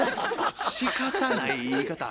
しかたない言い方ある？